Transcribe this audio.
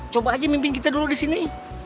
coba aja mimpin kita dulu disini